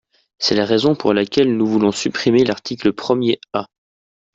C’est la raison pour laquelle nous voulons supprimer l’article premier A.